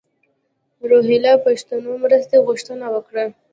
روهیله پښتنو مرستې غوښتنه وکړه.